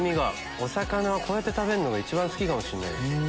お魚をこうやって食べるのが一番好きかもしれないです。